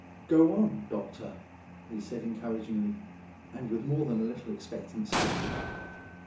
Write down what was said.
"Go on, doctor," we said encouragingly, and with more than a little expectancy.